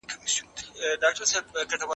کېدای سي موسيقي خراب وي!؟